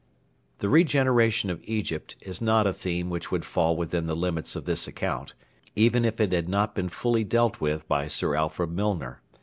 The regeneration of Egypt is not a theme which would fall within the limits of this account, even if it had not been fully dealt with by Sir Alfred Milner.